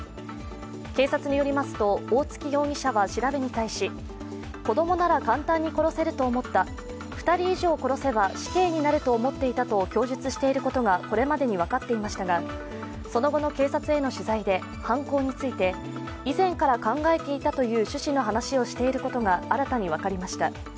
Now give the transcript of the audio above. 警察のよりますと大槻容疑者は調べに対し子供なら簡単に殺せると思った、２人以上殺せば死刑になると思っていたと供述していたことがこれまでに分かっていましたがその後の警察への取材で犯行について以前から考えていたという趣旨の話をしていることが新たに分かりました。